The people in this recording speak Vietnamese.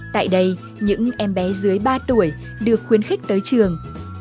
tại đây những em bé dưới ba tuổi được khuyến khích tới trường